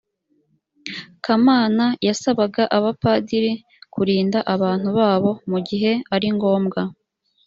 kamana yasabaga abapadiri kurinda abantu babo mugihe ari ngombwa